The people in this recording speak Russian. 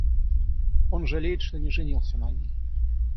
Он жалеет, что не женился на ней.